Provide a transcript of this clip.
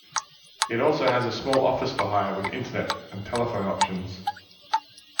It also has a small office for hire with Internet and telephone options.